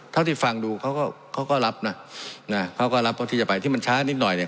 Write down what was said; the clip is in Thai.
เท่าที่ฟังดูเขาก็เขาก็รับนะนะเขาก็รับเท่าที่จะไปที่มันช้านิดหน่อยเนี่ย